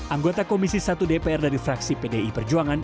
anggota komisi satu dpr dari fraksi pdi perjuangan